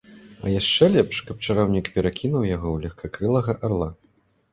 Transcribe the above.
А яшчэ лепш, каб чараўнік перакінуў яго ў легкакрылага арла.